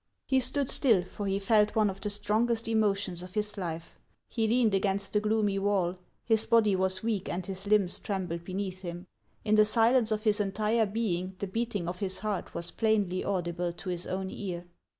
He stood still, for he felt one of the strongest emotions of his life ; he leaned against the gloomy wall ; his body was weak, and his limbs trembled beneath him. In the silence of his entire being the beating of his heart was plainly audible to his own ear.